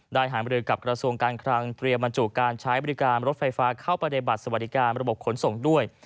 หามรือกับกระทรวงการคลังเตรียมบรรจุการใช้บริการรถไฟฟ้าเข้าไปในบัตรสวัสดิการระบบขนส่งด้วย